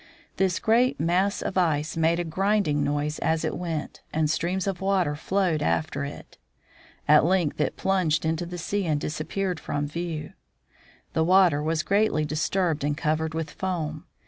This great mass of ice made a grinding noise as it went, and streams of water flowed after it. At length it plunged into the sea and disappeared from view. The water was greatly disturbed and covered with foam.